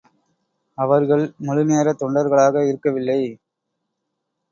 அவர்கள் முழுநேரத் தொண்டர்களாக இருக்கவில்லை.